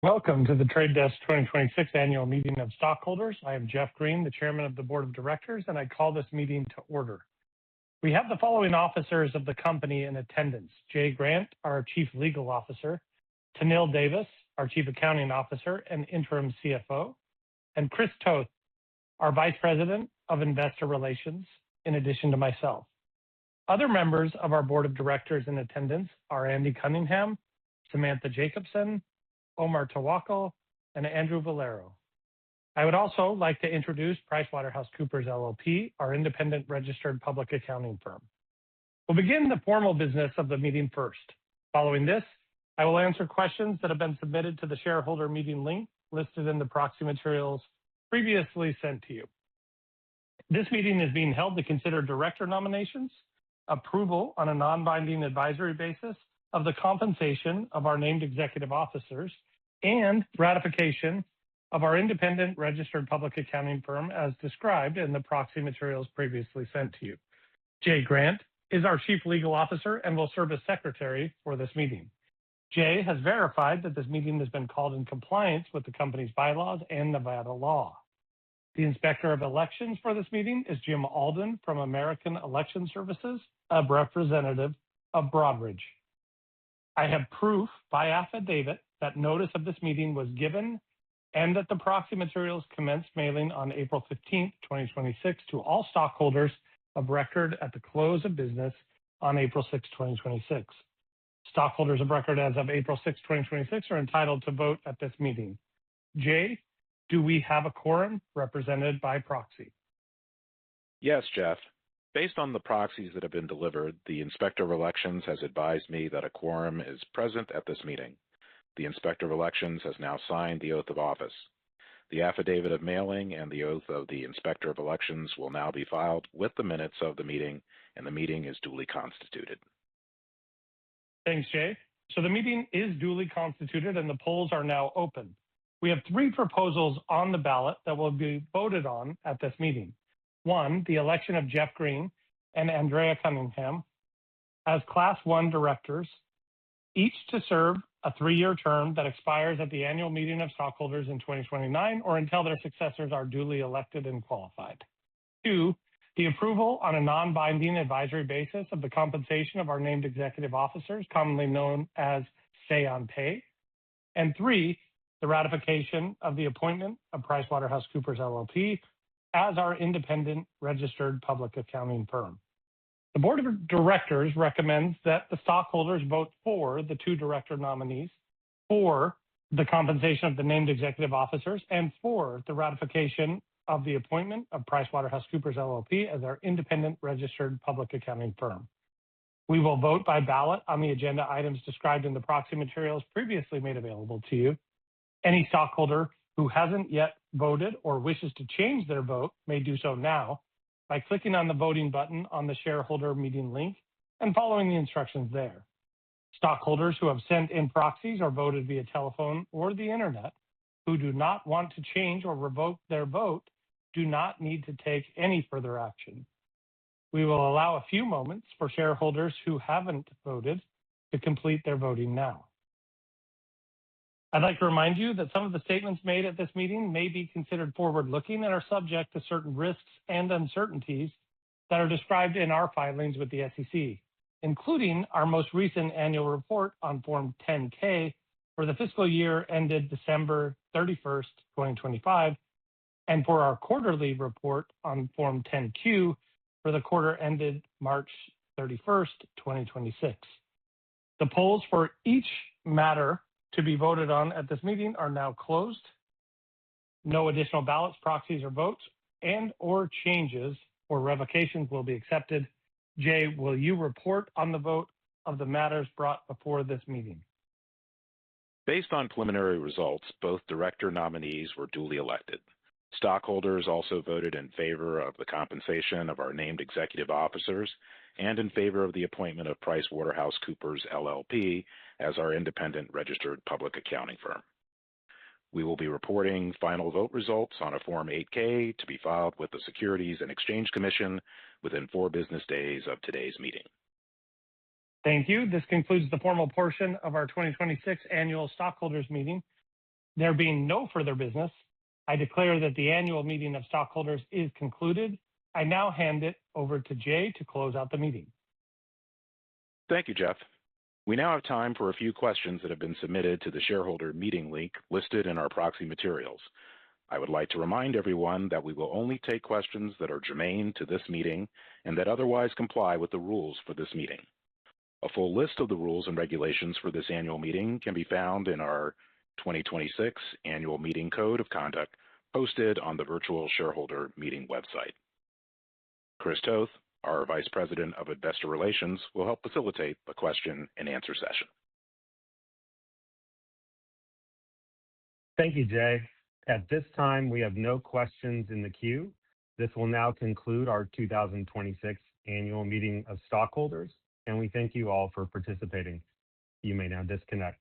Welcome to The Trade Desk 2026 Annual Meeting of Stockholders. I am Jeff Green, the Chairman of the Board of Directors, and I call this meeting to order. We have the following officers of the company in attendance: Jay Grant, our Chief Legal Officer, Tahnil Davis, our Chief Accounting Officer and Interim CFO, and Chris Toth, our Vice President of Investor Relations, in addition to myself. Other members of our board of directors in attendance are Andy Cunningham, Samantha Jacobson, Omar Tawakol, and Drew Vollero. I would also like to introduce PricewaterhouseCoopers LLP, our independent registered public accounting firm. We'll begin the formal business of the meeting first. Following this, I will answer questions that have been submitted to the shareholder meeting link listed in the proxy materials previously sent to you. This meeting is being held to consider director nominations, approval on a non-binding advisory basis of the compensation of our named executive officers, and ratification of our independent registered public accounting firm, as described in the proxy materials previously sent to you. Jay Grant is our Chief Legal Officer and will serve as Secretary for this meeting. Jay has verified that this meeting has been called in compliance with the company's bylaws and Nevada law. The Inspector of Elections for this meeting is Jim Alden from American Election Services, a representative of Broadridge. I have proof by affidavit that notice of this meeting was given and that the proxy materials commenced mailing on April 15, 2026 to all stockholders of record at the close of business on April 6, 2026. Stockholders of record as of April 6, 2026 are entitled to vote at this meeting. Jay, do we have a quorum represented by proxy? Yes, Jeff. Based on the proxies that have been delivered, the Inspector of Elections has advised me that a quorum is present at this meeting. The Inspector of Elections has now signed the Oath of Office. The Affidavit of Mailing and the Oath of the Inspector of Elections will now be filed with the minutes of the meeting, and the meeting is duly constituted. Thanks, Jay. The meeting is duly constituted, and the polls are now open. We have three proposals on the ballot that will be voted on at this meeting. One, the election of Jeff Green and Andrea Cunningham as Class 1 directors, each to serve a three-year term that expires at the annual meeting of stockholders in 2029 or until their successors are duly elected and qualified. Two, the approval on a non-binding advisory basis of the compensation of our named executive officers, commonly known as Say on pay. Three, the ratification of the appointment of PricewaterhouseCoopers LLP as our independent registered public accounting firm. The board of directors recommends that the stockholders vote for the two director nominees, for the compensation of the named executive officers, and for the ratification of the appointment of PricewaterhouseCoopers LLP as our independent registered public accounting firm. We will vote by ballot on the agenda items described in the proxy materials previously made available to you. Any stockholder who hasn't yet voted or wishes to change their vote may do so now by clicking on the voting button on the shareholder meeting link and following the instructions there. Stockholders who have sent in proxies or voted via telephone or the Internet who do not want to change or revoke their vote do not need to take any further action. We will allow a few moments for shareholders who haven't voted to complete their voting now. I'd like to remind you that some of the statements made at this meeting may be considered forward-looking and are subject to certain risks and uncertainties that are described in our filings with the SEC, including our most recent annual report on Form 10-K for the fiscal year ended December 31st, 2025, and for our quarterly report on Form 10-Q for the quarter ended March 31st, 2026. The polls for each matter to be voted on at this meeting are now closed. No additional ballots, proxies or votes and/or changes or revocations will be accepted. Jay, will you report on the vote of the matters brought before this meeting? Based on preliminary results, both director nominees were duly elected. Stockholders also voted in favor of the compensation of our named executive officers and in favor of the appointment of PricewaterhouseCoopers LLP as our independent registered public accounting firm. We will be reporting final vote results on a Form 8-K to be filed with the Securities and Exchange Commission within four business days of today's meeting. Thank you. This concludes the formal portion of our 2026 Annual Stockholders Meeting. There being no further business, I declare that the annual meeting of stockholders is concluded. I now hand it over to Jay to close out the meeting. Thank you, Jeff. We now have time for a few questions that have been submitted to the shareholder meeting link listed in our proxy materials. I would like to remind everyone that we will only take questions that are germane to this meeting and that otherwise comply with the rules for this meeting. A full list of the rules and regulations for this annual meeting can be found in our 2026 Annual Meeting Code of Conduct, posted on the virtual shareholder meeting website. Chris Toth, our Vice President of Investor Relations, will help facilitate the question and answer session. Thank you, Jay. At this time, we have no questions in the queue. This will now conclude our 2026 Annual Meeting of Stockholders, and we thank you all for participating. You may now disconnect.